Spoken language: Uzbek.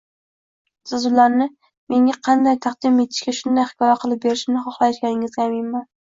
Siz ularni menga qanday taqdim etishsa shunday hikoya qilib berishimni xohlayotganingizga aminman